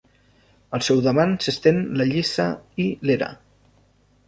Al seu davant s'estén la lliça i l'era.